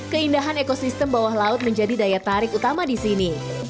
keindahan ekosistem bawah laut menjadi daya tarik utama di sini